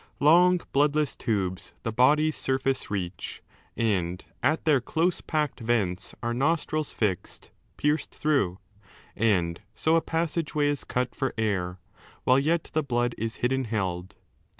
Long bloodless tubes the body's surface reach, And at their close packed vents are nostrils fixed Pierced through ; and so a passage way is cut For air, while yet the blood is hidden held.